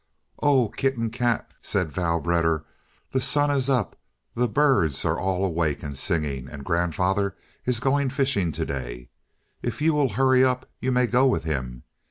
"Oh, Kit and Kat," said Vrouw Vedder, "the sun is up, the birds are all awake and singing, and grandfather is going fishing to day. If you will hurry you may go with him!